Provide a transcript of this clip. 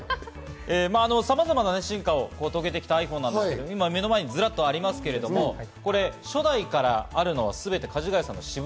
さまざまな進化を遂げてきたｉＰｈｏｎｅですが、目の前にずらっとありますが、初代からあるのは全てかじがやさんの私物。